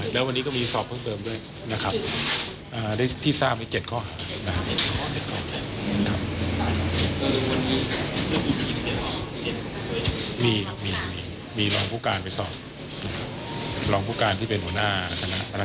โดย๗ข้อหาที่พนักงานสอบสวนได้แจ้งกับนายเจนพพคือ